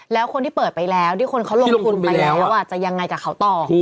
แล้วคนที่เปิดไปแล้วอย่างไงกับเขาต่อ